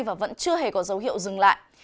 và vẫn chưa hề có dấu hiệu dừng lại